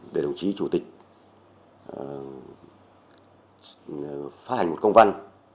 đề đồng chí chủ tịch phát hành công văn